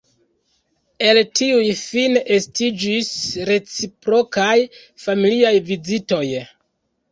El tiuj fine estiĝis reciprokaj, familiaj vizitoj.